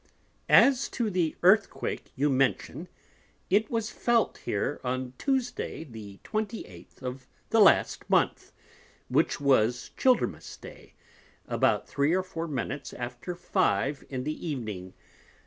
'As to the Earthquake you mention, it was felt here on Tuesday the 28th of the last Month, which was Childermas Day, about three or four Minutes after Five in the Evening.